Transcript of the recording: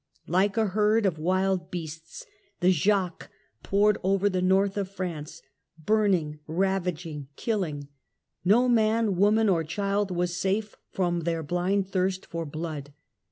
Like a herd of wild beasts the Jacques poured over the North of France, burning, ravaging, killing ; no man, woman or child was safe from their blind thirst for blood.